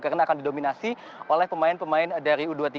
karena akan didominasi oleh pemain pemain dari u dua puluh tiga